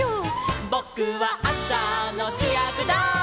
「ぼくはあさのしゅやくだい」